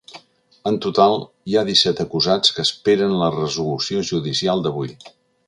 En total, hi ha disset acusats que esperen la resolució judicial d’avui.